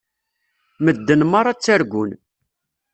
Medden meṛṛa ttargun.